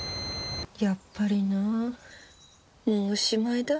やっぱりなもうおしまいだ。